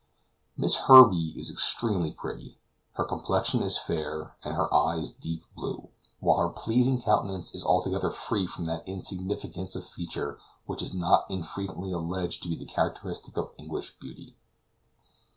Miss Herbey is extremely pretty. Her complexion is fair and her eyes deep blue, while her pleasing countenance is altogether free from that insignificance of feature which is not unfrequently alleged to be characteristic of English beauty.